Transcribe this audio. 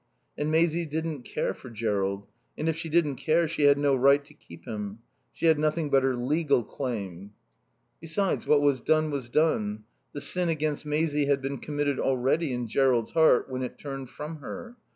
And Maisie didn't care for Jerrold; and if she didn't care she had no right to keep him. She had nothing but her legal claim. Besides, what was done was done. The sin against Maisie had been committed already in Jerrold's heart when it turned from her.